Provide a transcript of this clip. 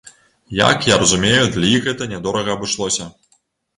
Як я разумею, для іх гэта нядорага абышлося.